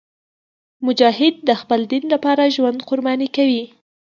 مجاهد د خپل دین لپاره ژوند قرباني کوي.